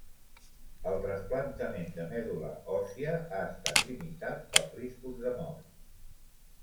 El trasplantament de medul·la òssia ha estat limitat pels riscos de mort.